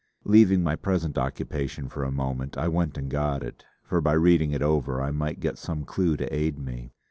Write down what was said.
Leaving my present occupation for a moment I went and got it; for by reading it over I might get some clue to aid me.